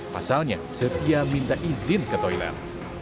pasalnya setia minta izin ke toilet